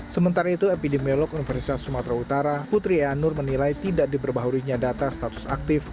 sementara itu epidemiolog universitas sumatera utara putri ea nur menilai tidak diperbahaurinya data status aktif